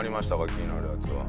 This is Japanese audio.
気になるやつは。